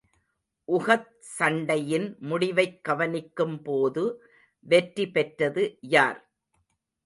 உஹத் சண்டையின் முடிவைக் கவனிக்கும் போது வெற்றி பெற்றது யார்?